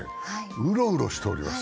うろうろしております。